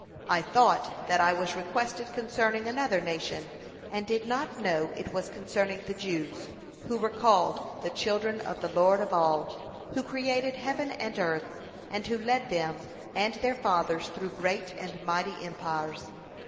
I thought that I was requested concerning another nation, and did not know it was concerning the Jews, who were called the Children of the Lord of All, who created heaven and earth, and who led them and their fathers through great and mighty empires.